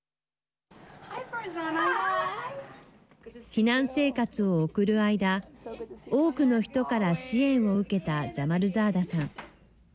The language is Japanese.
避難生活を送る間多くの人から支援を受けたジャマルザーダさん。